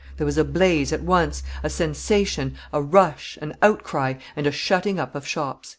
"There was a blaze at once, a sensation, a rush, an outcry, and a shutting up of shops."